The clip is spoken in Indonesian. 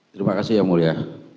terima kasih ya mulia